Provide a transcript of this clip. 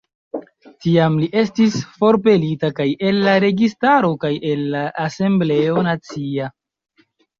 Tiam li estis forpelita kaj el la registaro kaj el la asembleo nacia.